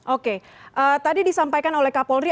oke tadi disampaikan oleh kak polri